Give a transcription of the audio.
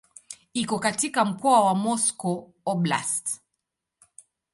Iko katika mkoa wa Moscow Oblast.